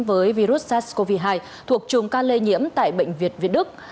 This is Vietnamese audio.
với virus sars cov hai thuộc trùng ca lê nhiễm tại bệnh viện việt đức